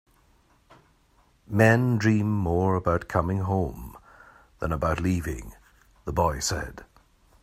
"Men dream more about coming home than about leaving," the boy said.